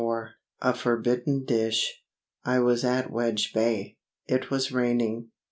IV A FORBIDDEN DISH I I was at Wedge Bay. It was raining.